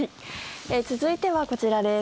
続いてはこちらです。